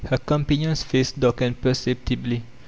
Her companion's face darkened perceptibly.